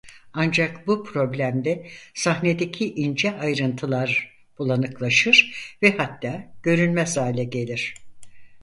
Ancak bu problemde sahnedeki ince ayrıntılar bulanıklaşır ve hatta görünmez hale gelir.